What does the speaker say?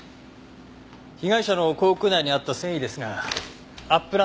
被害者の口腔内にあった繊維ですがアップ